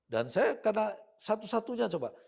dan saya karena satu satunya coba